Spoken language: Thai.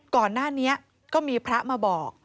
ก่อนหน้านี้ก็มีพระมาบอก